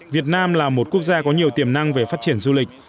việt nam là một quốc gia có nhiều tiềm năng về phát triển du lịch